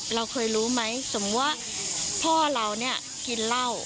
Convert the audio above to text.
เราเคยรู้ไหมสมมุติว่าพ่อเราเนี่ยกินเหล้า